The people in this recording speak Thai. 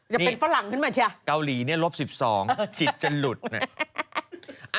จะเป็นฝรั่งขึ้นมาเชียเกาหลีเนี่ยลบ๑๒สิทธิ์จะหลุดนะ